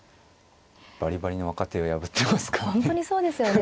バリバリの若手を破ってますからね。